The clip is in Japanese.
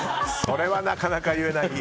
それはなかなか言えない。